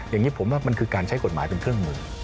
อย่างนี้ผมว่ามันคือการใช้กฎหมายเป็นเครื่องมือ